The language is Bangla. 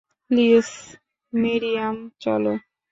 প্লিজ, মিরিয়াম, চলো।